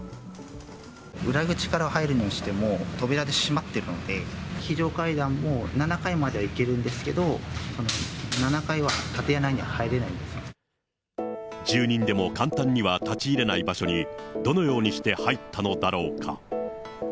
裏口から入るにしても、扉で閉まってるので、非常階段も７階までは行けるんですけれども、住人でも簡単には立ち入れない場所にどのようにして入ったのだろうか。